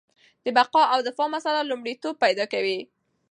د بقا او دفاع مسله لومړیتوب پیدا کوي.